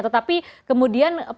tetapi kemudian pada bulan kemudian